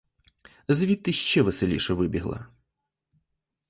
Звідти ще веселіше вибігла.